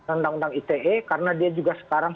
undang undang ite karena dia juga sekarang